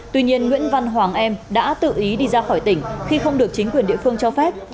tuy nhiên nguyễn văn hoàng em đã tự ý đi ra khỏi tỉnh khi không được chính quyền địa phương cho phép